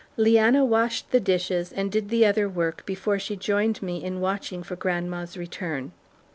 Leanna washed the dishes and did the other work before she joined me in watching for grandma's return.